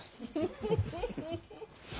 フフフフッ。